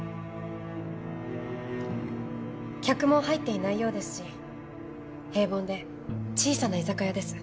客も入っていないようですし平凡で小さな居酒屋です。